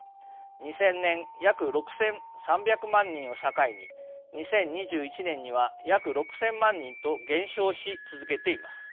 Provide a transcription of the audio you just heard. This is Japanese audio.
２０００年約６，３００万人を境に２０２１年には約６，０００万人と減少し続けています。